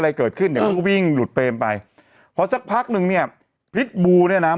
อะไรเกิดขึ้นเดี๋ยวเขาวิ่งหลุดเพลมไปเพราะสักพักหนึ่งเนี่ยพิษบูร์เนี่ยนะ